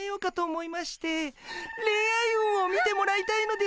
恋愛運を見てもらいたいのですが。